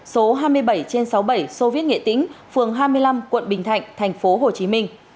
số hai mươi bảy sáu mươi bảy sô viết nghệ tĩnh phường hai mươi năm quận bình thạnh thành phố hồ chí minh